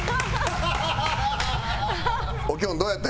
おきょんどうやった？